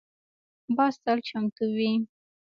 باز تل چمتو وي